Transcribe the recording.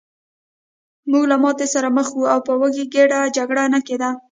موږ له ماتې سره مخ وو او په وږې ګېډه جګړه نه کېده